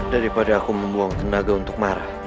daripada aku membuang tenaga untuk marah